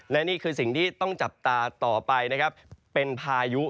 และนี่คือสิ่งที่ต้องจับตาต่อไปนะครับเป็นพายุ